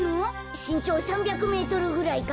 しんちょう３００メートルぐらいかな。